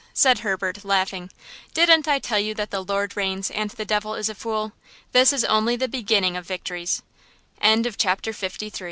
said Herbert laughing; "didn't I tell you that the Lord reigns and the devil is a fool? This is only the beginning of victories!" CHAPTER LIV. THE END OF THE WAR. Now a